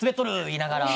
言いながら。